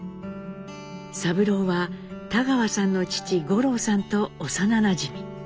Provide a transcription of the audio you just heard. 三郎は田川さんの父五郎さんと幼なじみ。